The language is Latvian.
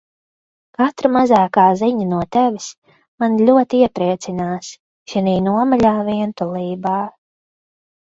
Katra mazākā ziņa no Tevis mani ļoti iepriecinās šinī nomaļā vientulībā.